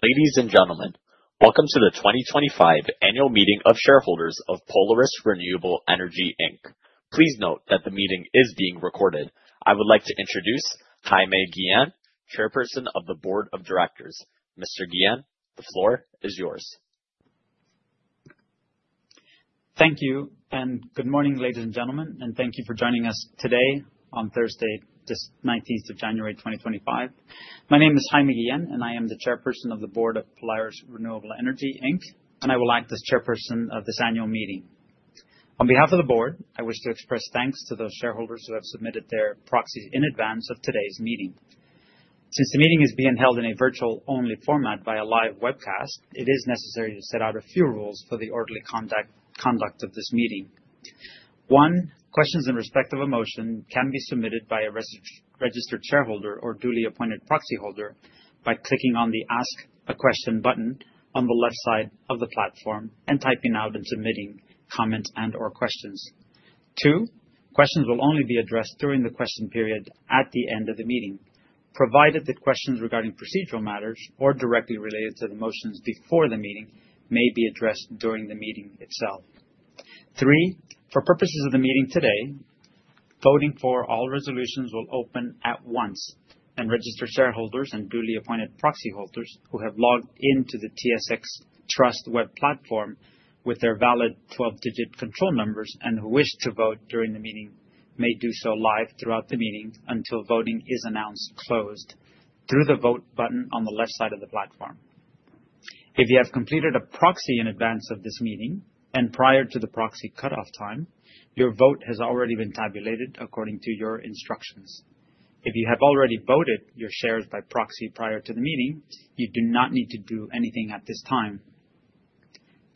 Ladies and gentlemen, welcome to the 2025 annual meeting of shareholders of Polaris Renewable Energy Inc. Please note that the meeting is being recorded. I would like to introduce Jaime Guillen, Chairperson of the Board of Directors. Mr. Guillen, the floor is yours. Thank you, and good morning, ladies and gentlemen, and thank you for joining us today on Thursday, this 19th of January 2025. My name is Jaime Guillen, and I am the Chairperson of the Board of Polaris Renewable Energy Inc, and I will act as Chairperson of this annual meeting. On behalf of the Board, I wish to express thanks to those shareholders who have submitted their proxies in advance of today's meeting. Since the meeting is being held in a virtual-only format by a live webcast, it is necessary to set out a few rules for the orderly conduct of this meeting. One, questions in respect of a motion can be submitted by a registered shareholder or duly appointed proxyholder by clicking on the Ask a Question button on the left side of the platform and typing out and submitting comment and/or questions. Two, questions will only be addressed during the question period at the end of the meeting, provided that questions regarding procedural matters or directly related to the motions before the meeting may be addressed during the meeting itself. Three, for purposes of the meeting today, voting for all resolutions will open at once, and registered shareholders and duly appointed proxyholders who have logged into the TSX Trust web platform with their valid 12-digit control numbers and who wish to vote during the meeting may do so live throughout the meeting until voting is announced closed through the Vote button on the left side of the platform. If you have completed a proxy in advance of this meeting and prior to the proxy cutoff time, your vote has already been tabulated according to your instructions. If you have already voted your shares by proxy prior to the meeting, you do not need to do anything at this time.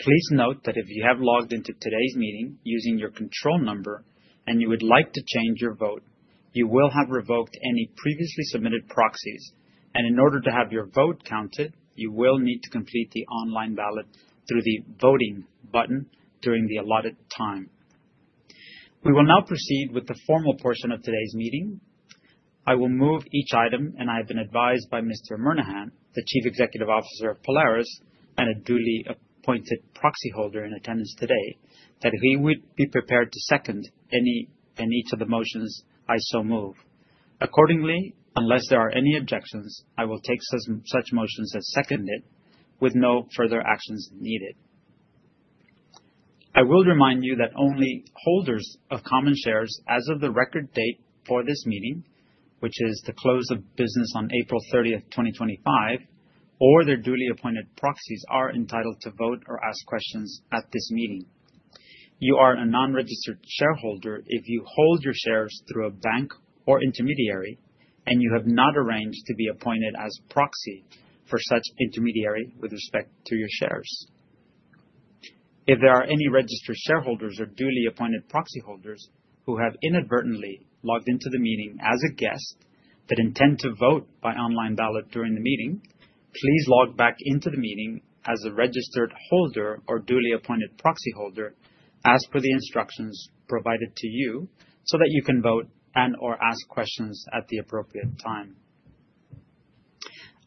Please note that if you have logged into today's meeting using your control number, and you would like to change your vote, you will have revoked any previously submitted proxies, and in order to have your vote counted, you will need to complete the online ballot through the Voting button during the allotted time. We will now proceed with the formal portion of today's meeting. I will move each item, and I have been advised by Mr. Murnaghan, the Chief Executive Officer of Polaris and a duly appointed proxyholder in attendance today, that he would be prepared to second any and each of the motions I so move. Accordingly, unless there are any objections, I will take such motions as seconded with no further actions needed. I will remind you that only holders of common shares as of the record date for this meeting, which is the close of business on April 30th, 2025, or their duly appointed proxies, are entitled to vote or ask questions at this meeting. You are a non-registered shareholder if you hold your shares through a bank or intermediary and you have not arranged to be appointed as proxy for such intermediary with respect to your shares. If there are any registered shareholders or duly appointed proxyholders who have inadvertently logged into the meeting as a guest that intend to vote by online ballot during the meeting, please log back into the meeting as a registered holder or duly appointed proxyholder as per the instructions provided to you so that you can vote and/or ask questions at the appropriate time.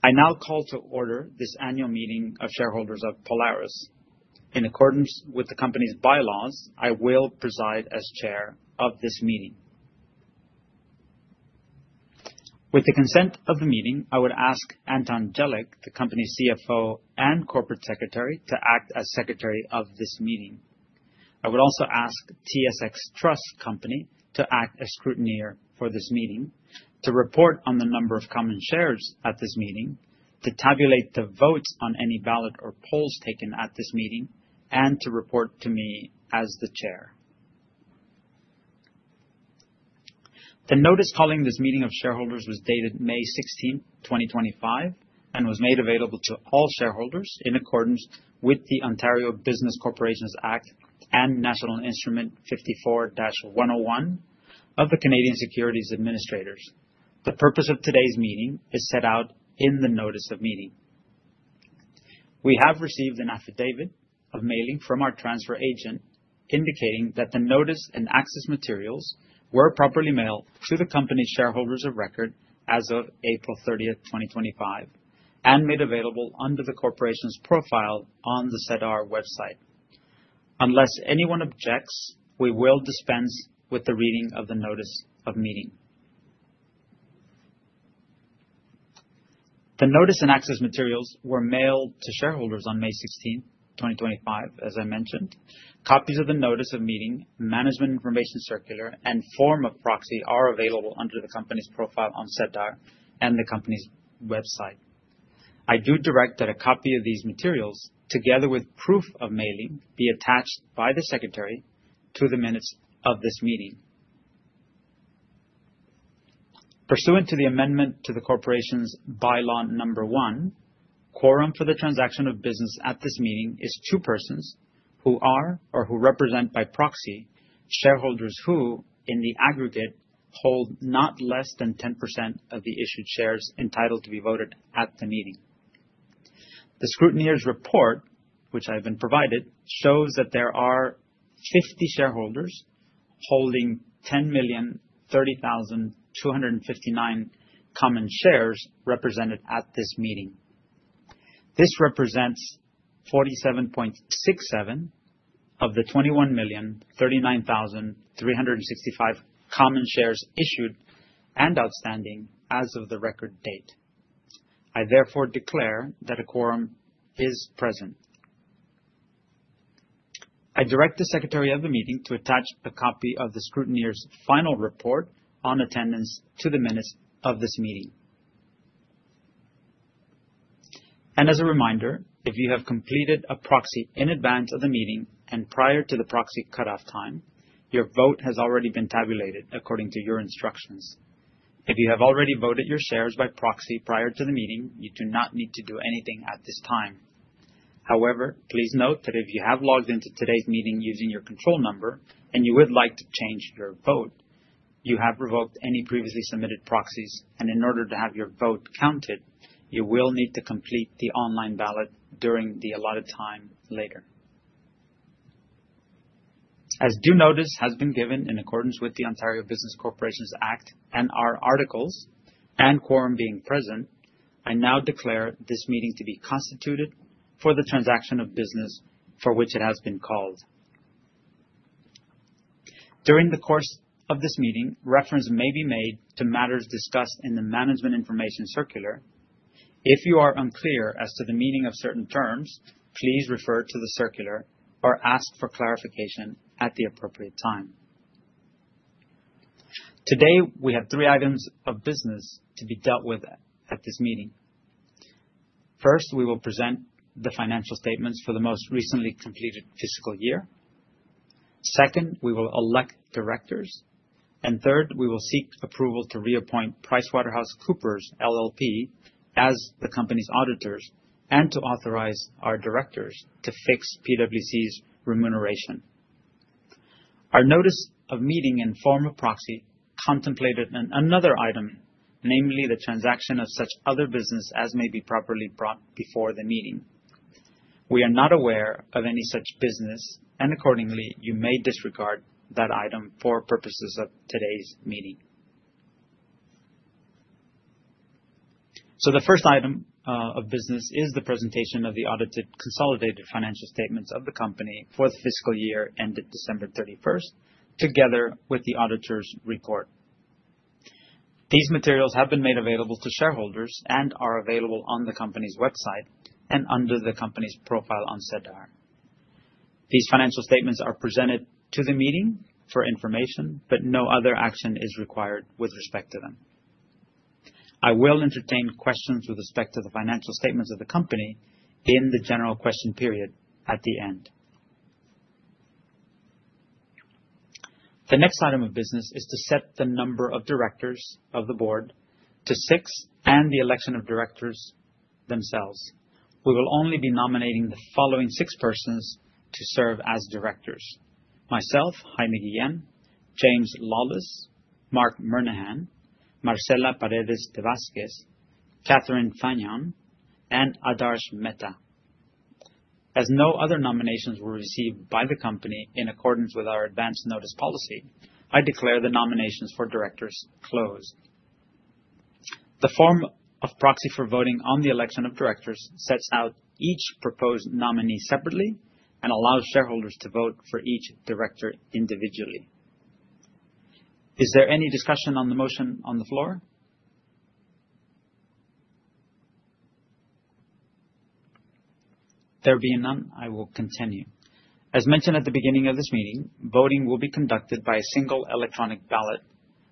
I now call to order this annual meeting of shareholders of Polaris. In accordance with the company's bylaws, I will preside as Chair of this meeting. With the consent of the meeting, I would ask Anton Jelic, the company's CFO and corporate secretary, to act as secretary of this meeting. I would also ask TSX Trust Company to act as scrutineer for this meeting, to report on the number of common shares at this meeting, to tabulate the votes on any ballot or polls taken at this meeting, and to report to me as the Chair. The notice calling this meeting of shareholders was dated May 16, 2025, and was made available to all shareholders in accordance with the Ontario Business Corporations Act and National Instrument 54-101 of the Canadian Securities Administrators. The purpose of today's meeting is set out in the notice of meeting. We have received an affidavit of mailing from our transfer agent indicating that the notice and access materials were properly mailed to the company's shareholders of record as of April 30th, 2025, and made available under the corporation's profile on the SEDAR website. Unless anyone objects, we will dispense with the reading of the notice of meeting. The notice and access materials were mailed to shareholders on May 16th, 2025, as I mentioned. Copies of the notice of meeting, management information circular, and form of proxy are available under the company's profile on SEDAR and the company's website. I do direct that a copy of these materials, together with proof of mailing, be attached by the secretary to the minutes of this meeting. Pursuant to the amendment to the corporation's bylaw number one, quorum for the transaction of business at this meeting is two persons who are or who represent by proxy shareholders who, in the aggregate, hold not less than 10% of the issued shares entitled to be voted at the meeting. The scrutineer's report, which I have been provided, shows that there are 50 shareholders holding 10,030,259 common shares represented at this meeting. This represents 47.67% of the 21,039,365 common shares issued and outstanding as of the record date. I therefore declare that a quorum is present. I direct the secretary of the meeting to attach a copy of the scrutineer's final report on attendance to the minutes of this meeting. As a reminder, if you have completed a proxy in advance of the meeting and prior to the proxy cutoff time, your vote has already been tabulated according to your instructions. If you have already voted your shares by proxy prior to the meeting, you do not need to do anything at this time. However, please note that if you have logged into today's meeting using your control number and you would like to change your vote, you have revoked any previously submitted proxies, and in order to have your vote counted, you will need to complete the online ballot during the allotted time later. As due notice has been given in accordance with the Ontario Business Corporations Act and our articles, and quorum being present, I now declare this meeting to be constituted for the transaction of business for which it has been called. During the course of this meeting, reference may be made to matters discussed in the management information circular. If you are unclear as to the meaning of certain terms, please refer to the circular or ask for clarification at the appropriate time. Today, we have three items of business to be dealt with at this meeting. First, we will present the financial statements for the most recently completed fiscal year. Second, we will elect directors. Third, we will seek approval to reappoint PricewaterhouseCoopers LLP as the company's auditors and to authorize our directors to fix PwC's remuneration. Our notice of meeting and form of proxy contemplated another item, namely the transaction of such other business as may be properly brought before the meeting. We are not aware of any such business, accordingly, you may disregard that item for purposes of today's meeting. The first item of business is the presentation of the audited consolidated financial statements of the company for the fiscal year ended December 31st, together with the auditor's report. These materials have been made available to shareholders and are available on the company's website and under the company's profile on SEDAR. These financial statements are presented to the meeting for information, no other action is required with respect to them. I will entertain questions with respect to the financial statements of the company in the general question period at the end. The next item of business is to set the number of directors of the board to six and the election of directors themselves. We will only be nominating the following six persons to serve as directors. Myself, Jaime Guillen, James Lawless, Marc Murnaghan, Marcela Paredes de Vásquez, Catherine Fagnan, and Adarsh Mehta. As no other nominations were received by the company in accordance with our advance notice policy, I declare the nominations for directors closed. The form of proxy for voting on the election of directors sets out each proposed nominee separately and allows shareholders to vote for each director individually. Is there any discussion on the motion on the floor? There being none, I will continue. As mentioned at the beginning of this meeting, voting will be conducted by a single electronic ballot.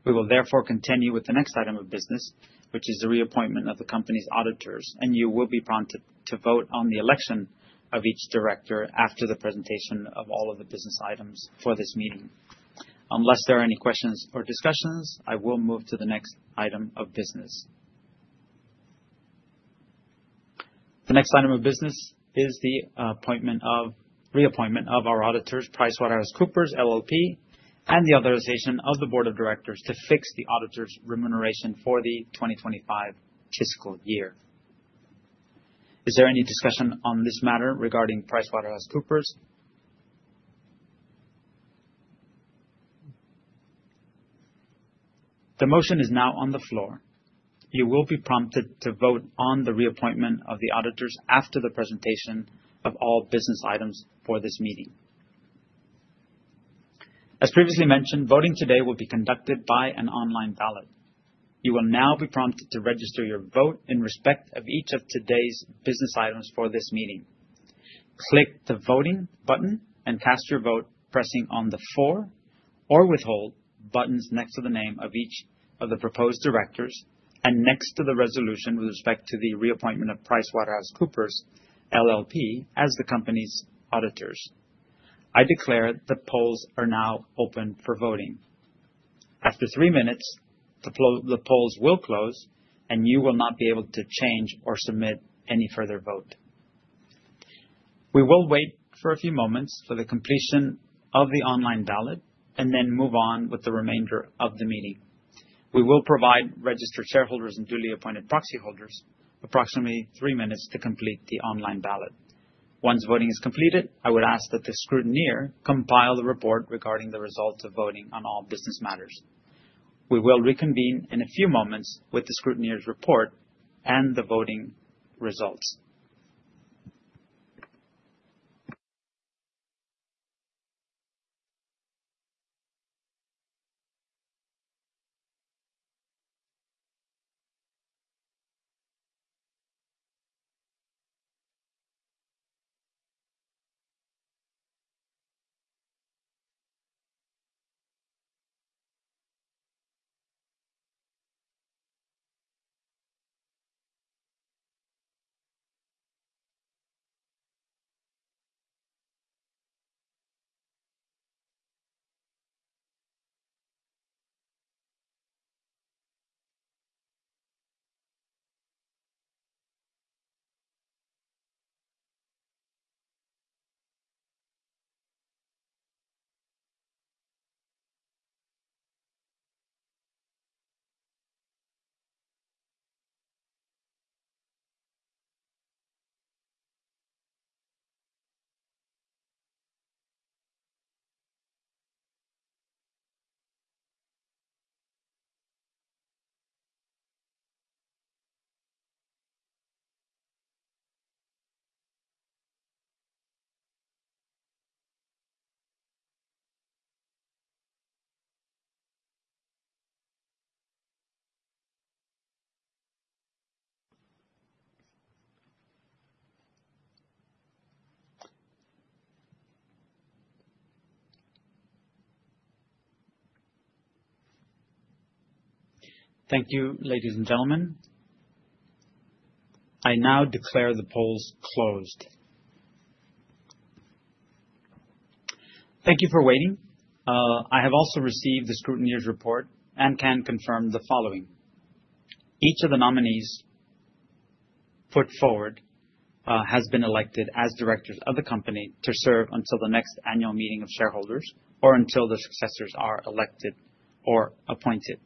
We will therefore continue with the next item of business, which is the reappointment of the company's auditors, and you will be prompted to vote on the election of each director after the presentation of all of the business items for this meeting. Unless there are any questions or discussions, I will move to the next item of business. The next item of business is the reappointment of our auditors, PricewaterhouseCoopers LLP, and the authorization of the board of directors to fix the auditors' remuneration for the 2025 fiscal year. Is there any discussion on this matter regarding PricewaterhouseCoopers? The motion is now on the floor. You will be prompted to vote on the reappointment of the auditors after the presentation of all business items for this meeting. As previously mentioned, voting today will be conducted by an online ballot. You will now be prompted to register your vote in respect of each of today's business items for this meeting. Click the Voting button and cast your vote, pressing on the For or Withhold buttons next to the name of each of the proposed directors and next to the resolution with respect to the reappointment of PricewaterhouseCoopers LLP as the company's auditors. I declare the polls are now open for voting. After three minutes, the polls will close, and you will not be able to change or submit any further vote. We will wait for a few moments for the completion of the online ballot and then move on with the remainder of the meeting. We will provide registered shareholders and duly appointed proxy holders approximately three minutes to complete the online ballot. Once voting is completed, I would ask that the scrutineer compile the report regarding the results of voting on all business matters. We will reconvene in a few moments with the scrutineer's report and the voting results. Thank you, ladies and gentlemen. I now declare the polls closed. Thank you for waiting. I have also received the scrutineer's report and can confirm the following. Each of the nominees put forward has been elected as directors of the company to serve until the next annual meeting of shareholders or until their successors are elected or appointed.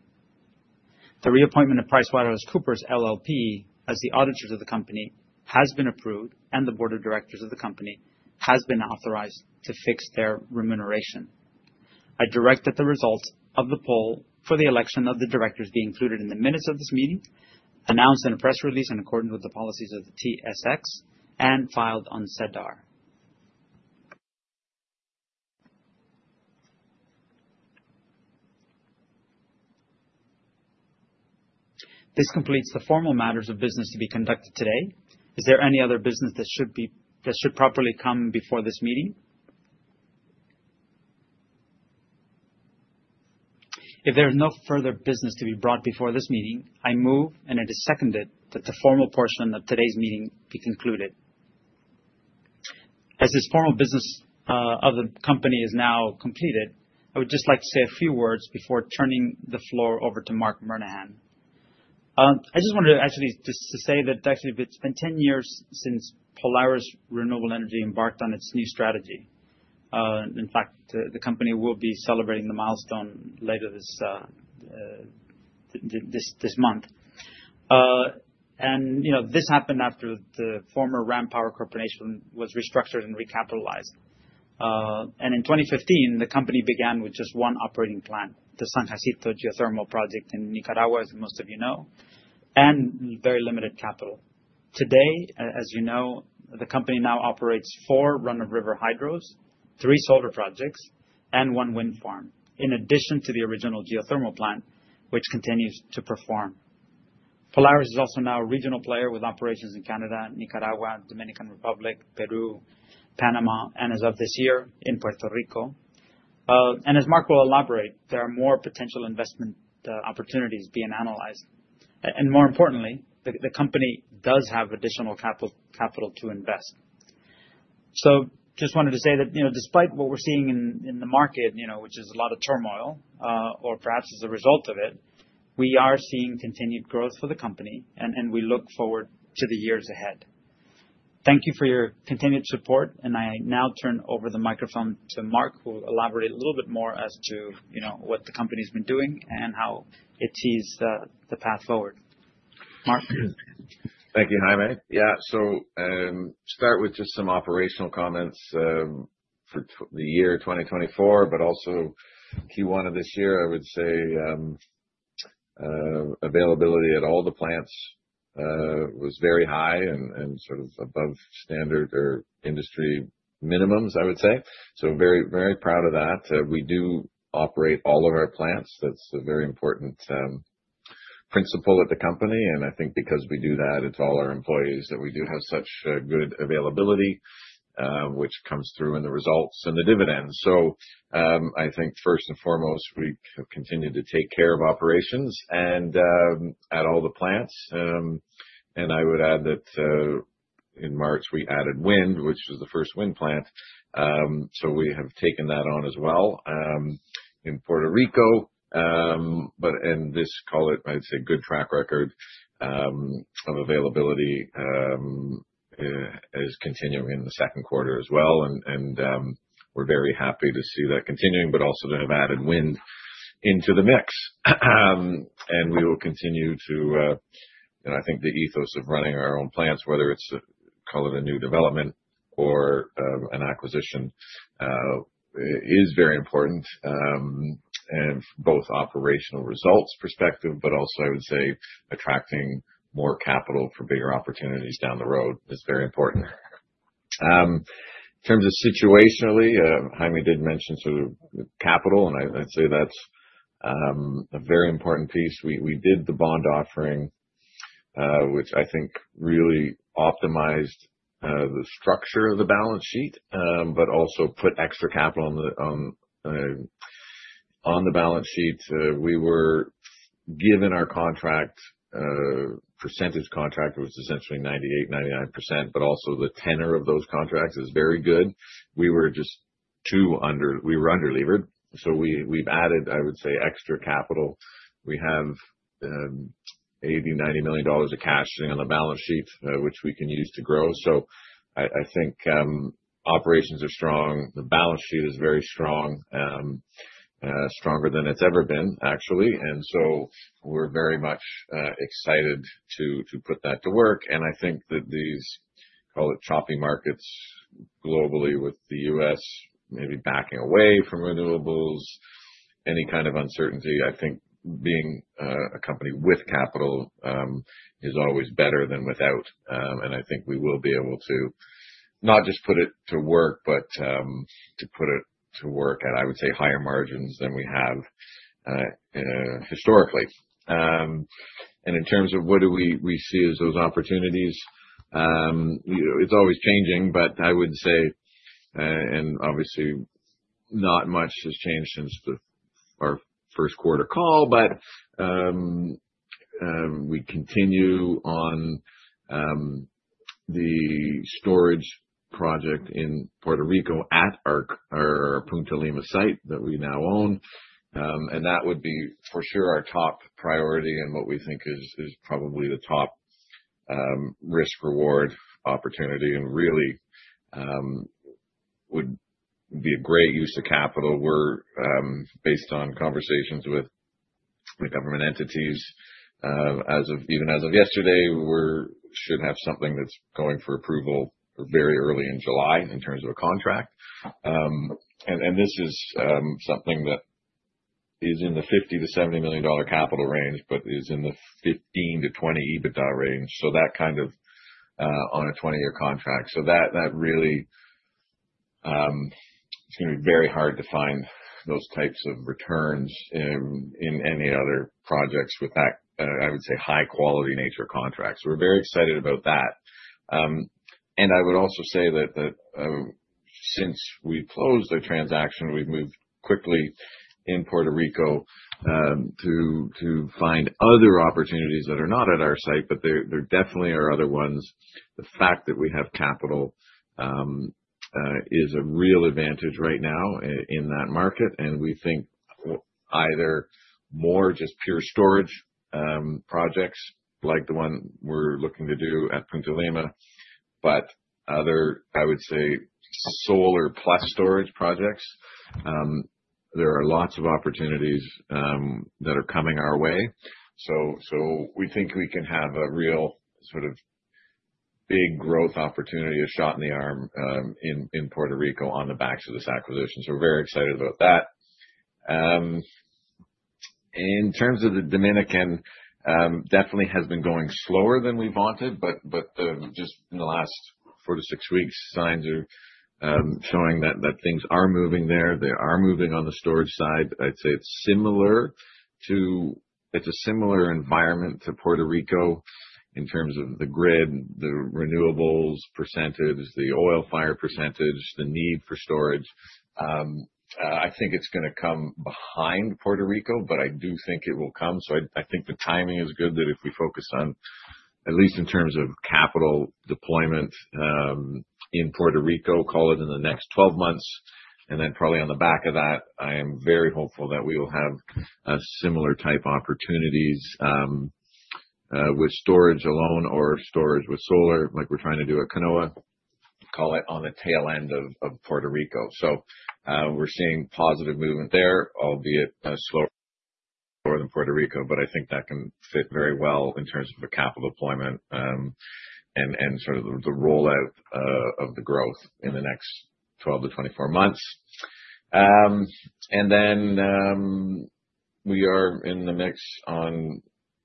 The reappointment of PricewaterhouseCoopers LLP as the auditors of the company has been approved, and the board of directors of the company has been authorized to fix their remuneration. I direct that the results of the poll for the election of the directors be included in the minutes of this meeting, announced in a press release in accordance with the policies of the TSX, and filed on SEDAR. This completes the formal matters of business to be conducted today. Is there any other business that should properly come before this meeting? If there is no further business to be brought before this meeting, I move, and it is seconded, that the formal portion of today's meeting be concluded. As this formal business of the company is now completed, I would just like to say a few words before turning the floor over to Marc Murnaghan. I just wanted to actually just to say that actually it's been 10 years since Polaris Renewable Energy embarked on its new strategy. In fact, the company will be celebrating the milestone later this month. This happened after the former Ram Power, Corp. was restructured and recapitalized. In 2015, the company began with just one operating plant, the San Jacinto Geothermal Project in Nicaragua, as most of you know, and very limited capital. Today, as you know, the company now operates four run-of-river hydros, three solar projects, and one wind farm, in addition to the original geothermal plant, which continues to perform. Polaris is also now a regional player with operations in Canada, Nicaragua, Dominican Republic, Peru, Panama, and as of this year, in Puerto Rico. As Marc will elaborate, there are more potential investment opportunities being analyzed. More importantly, the company does have additional capital to invest. Just wanted to say that despite what we're seeing in the market, which is a lot of turmoil, or perhaps as a result of it, we are seeing continued growth for the company, and we look forward to the years ahead. Thank you for your continued support, and I now turn over the microphone to Marc, who will elaborate a little bit more as to what the company's been doing and how it sees the path forward. Marc? Thank you, Jaime. Start with just some operational comments for the year 2024, but also Q1 of this year, I would say availability at all the plants was very high and above standard or industry minimums, I would say. Very proud of that. We do operate all of our plants. That's a very important principle at the company, and I think because we do that, it's all our employees that we do have such good availability, which comes through in the results and the dividends. I think first and foremost, we have continued to take care of operations and at all the plants. I would add that in March, we added wind, which was the first wind plant. We have taken that on as well in Puerto Rico. This, call it, I'd say, good track record of availability is continuing in the second quarter as well. We're very happy to see that continuing, but also to have added wind into the mix. We will continue to, I think the ethos of running our own plants, whether it's call it a new development or an acquisition, is very important. Both operational results perspective, but also I would say attracting more capital for bigger opportunities down the road is very important. In terms of situationally, Jaime did mention capital, and I'd say that's a very important piece. We did the bond offering, which I think really optimized the structure of the balance sheet, but also put extra capital on the balance sheet. We were given our contract, percentage contract, it was essentially 98%, 99%, but also the tenor of those contracts is very good. We were just too under-levered, we've added, I would say, extra capital. We have $80 million-$90 million of cash sitting on the balance sheet, which we can use to grow. I think operations are strong. The balance sheet is very strong. Stronger than it's ever been, actually. We're very much excited to put that to work. I think that these, call it choppy markets globally with the U.S. maybe backing away from renewables, any kind of uncertainty, I think being a company with capital is always better than without. I think we will be able to not just put it to work, but to put it to work at, I would say, higher margins than we have historically. In terms of what do we see as those opportunities, it's always changing. I would say, obviously not much has changed since our first quarter call, we continue on the storage project in Puerto Rico at our Punta Lima site that we now own. That would be for sure our top priority and what we think is probably the top risk-reward opportunity and really would be a great use of capital. We're based on conversations with government entities. Even as of yesterday, we should have something that's going for approval very early in July in terms of a contract. This is something that is in the $50 million-$70 million capital range, but is in the $15 million-$20 million EBITDA range, that kind of on a 20-year contract. That really, it's going to be very hard to find those types of returns in any other projects with that, I would say, high-quality nature contracts. We're very excited about that. I would also say that since we closed the transaction, we've moved quickly in Puerto Rico to find other opportunities that are not at our site, but there definitely are other ones. The fact that we have capital is a real advantage right now in that market, and we think either more just pure storage projects like the one we're looking to do at Punta Lima. Other, I would say, solar plus storage projects. There are lots of opportunities that are coming our way. We think we can have a real big growth opportunity, a shot in the arm in Puerto Rico on the backs of this acquisition. We're very excited about that. In terms of the Dominican, definitely has been going slower than we wanted, but just in the last four to six weeks, signs are showing that things are moving there. They are moving on the storage side. I'd say it's a similar environment to Puerto Rico in terms of the grid, the renewables percentage, the oil fire percentage, the need for storage. I think it's going to come behind Puerto Rico, but I do think it will come. I think the timing is good that if we focus on, at least in terms of capital deployment in Puerto Rico, call it in the next 12 months, and then probably on the back of that, I am very hopeful that we will have similar type opportunities with storage alone or storage with solar, like we're trying to do at Canoa, call it on the tail end of Puerto Rico. We're seeing positive movement there, albeit slower than Puerto Rico, but I think that can fit very well in terms of the capital deployment, and the rollout of the growth in the next 12-24 months. Then we are in the mix on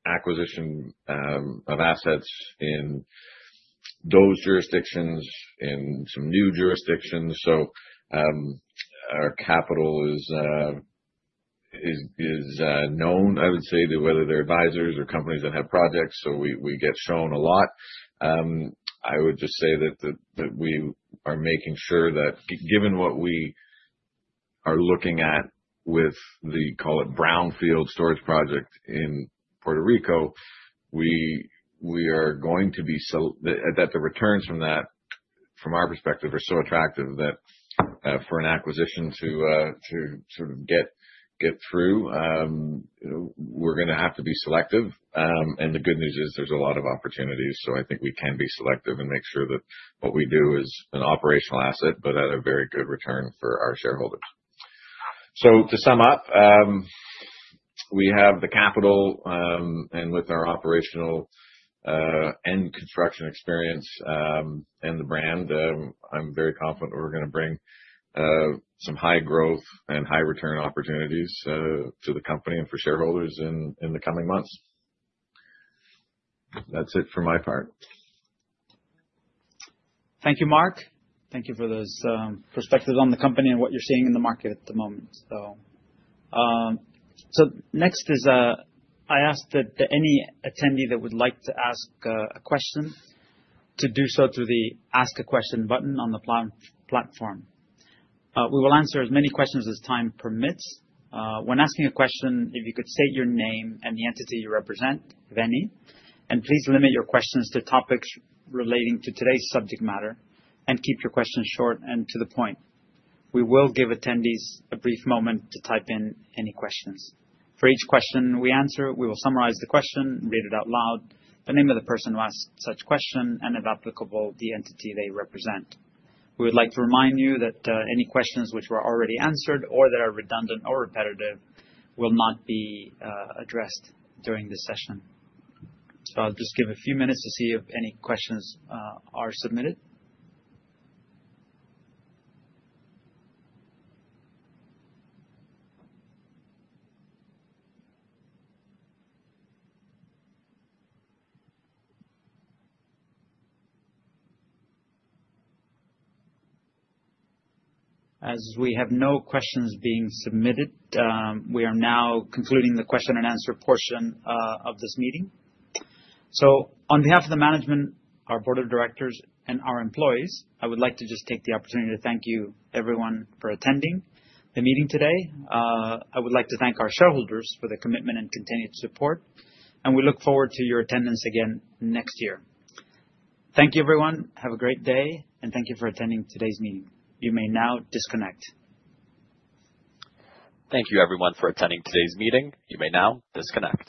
acquisition of assets in those jurisdictions, in some new jurisdictions. Our capital is known, I would say, to whether they're advisors or companies that have projects, so we get shown a lot. I would just say that we are making sure that given what we are looking at with the, call it brownfield storage project in Puerto Rico, we are going to be that the returns from that, from our perspective, are so attractive that for an acquisition to get through. We're going to have to be selective. The good news is there's a lot of opportunities, so I think we can be selective and make sure that what we do is an operational asset, but at a very good return for our shareholders. To sum up, we have the capital, and with our operational and construction experience, and the brand, I'm very confident we're going to bring some high growth and high return opportunities to the company and for shareholders in the coming months. That's it for my part. Thank you, Marc. Thank you for those perspectives on the company and what you're seeing in the market at the moment. Next is, I ask that any attendee that would like to ask a question to do so through the Ask a Question button on the platform. We will answer as many questions as time permits. When asking a question, if you could state your name and the entity you represent, if any, and please limit your questions to topics relating to today's subject matter and keep your questions short and to the point. We will give attendees a brief moment to type in any questions. For each question we answer, we will summarize the question and read it out loud, the name of the person who asked such question, and, if applicable, the entity they represent. We would like to remind you that any questions which were already answered or that are redundant or repetitive will not be addressed during this session. I'll just give a few minutes to see if any questions are submitted. As we have no questions being submitted, we are now concluding the question and answer portion of this meeting. On behalf of the management, our Board of Directors, and our employees, I would like to just take the opportunity to thank you everyone for attending the meeting today. I would like to thank our shareholders for their commitment and continued support, and we look forward to your attendance again next year. Thank you everyone. Have a great day, and thank you for attending today's meeting. You may now disconnect. Thank you everyone for attending today's meeting. You may now disconnect.